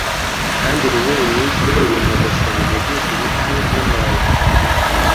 Kandi rimwe munsi yigihe nyagasani nagize ibiti namababi